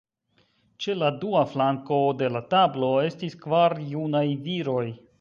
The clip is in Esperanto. Ĉe la dua flanko de la tablo estis kvar junaj viroj.